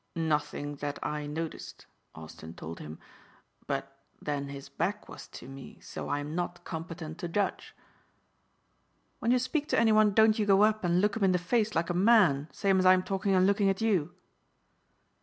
"Nothing that I noticed," Austin told him, "but then his back was to me so I am not competent to judge." "When you speak to any one don't you go up and look 'em in the face like a man same as I'm talking and looking at you?"